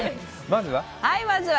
まずは？